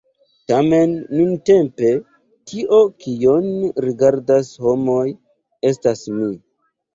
Tamen, nuntempe, tio, kion rigardas homoj, estas mi!